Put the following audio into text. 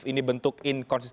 ini bentuk inkonstruksi